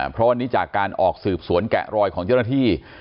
เพราะวันนี้จากการออกสืบสวนแกะรอยของเจ้าหน้าที่